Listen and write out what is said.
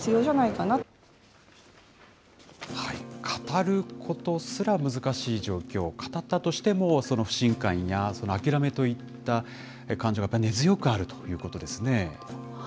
語ることすら難しい状況、語ったとしても、その不信感や諦めといった感情が根強くあるということですね。